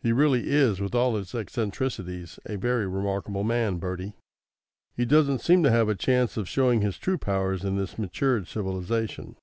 He really is, with all his eccentricities, a very remarkable man, Bertie. He doesn't seem to have a chance of showing his true powers in this matured civilisation.